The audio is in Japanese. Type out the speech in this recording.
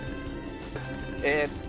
えっと